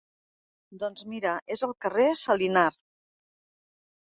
Doncs mira és el Carrer Salinar.